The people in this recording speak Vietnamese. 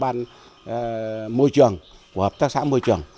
bạn môi trường của hợp tác xã môi trường